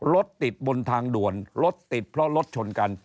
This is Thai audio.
รถติดบนทางด่วนรถติดเพราะรถชนกัน